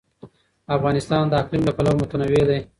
افغانستان د اقلیم له پلوه متنوع دی.